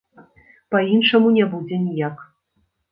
Па-іншаму не будзе ніяк.